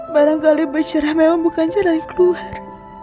barangkali bercerah memang bukan jalan keluar